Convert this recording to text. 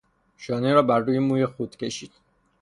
شانه را بر موی خود کشید.